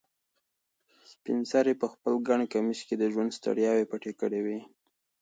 سپین سرې په خپل ګڼ کمیس کې د ژوند ستړیاوې پټې کړې وې.